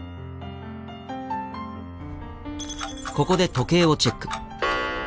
ここで時計をチェック。